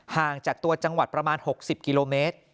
ห่างจากตัวจังหวัดประมาณ๖๐กิโลเมตร